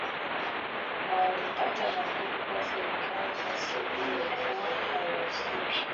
waalipata majibu kuwa serikali ya sebia ilikuwa haihusiki